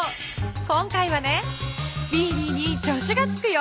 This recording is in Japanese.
今回はねスピーディーに助手がつくよ。